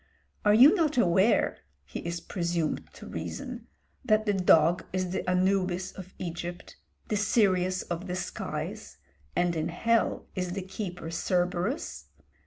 "Are you not aware," he is presumed to reason, "that the dog is the Anubis of Egypt, the Sirius of the skies; and in hell is the keeper Cerberus?"